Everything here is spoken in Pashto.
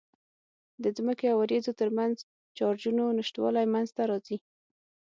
د ځمکې او وريځو ترمنځ چارجونو تشوالی منځته راځي.